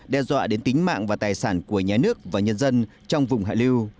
đe dọa đến tính mạng và tài sản của nhà nước và nhân dân trong vùng hạ lưu